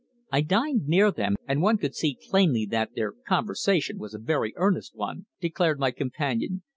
"I dined near them, and one could see plainly that their conversation was a very earnest one," declared my companion.